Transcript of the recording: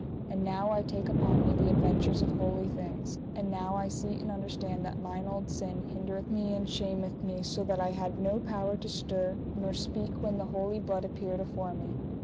And now I take upon me the adventures of holy things, and now I see and understand that mine old sin hindereth me and shameth me, so that I had no power to stir nor speak when the holy blood appeared afore me.